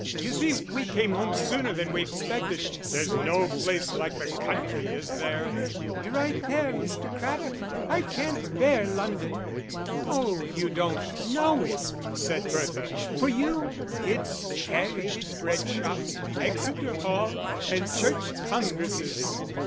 You see we came home sooner than we expected there's no place like the country, is there?" "You're right there, Mr. Craddock; I can't bear London." "Oh, you don't know it," said Bertha; "for you it's Aerated Bread shops, Exeter Hall, and Church Congresses."